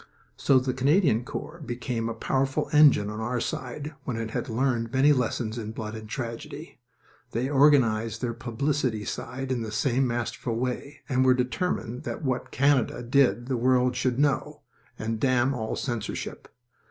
So the Canadian Corps became a powerful engine on our side when it had learned many lessons in blood and tragedy. They organized their publicity side in the same masterful way, and were determined that what Canada did the world should know and damn all censorship.